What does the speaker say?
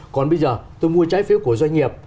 còn bây giờ tôi mua trái phiếu của doanh nghiệp